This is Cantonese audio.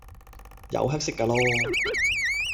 有黑色架囉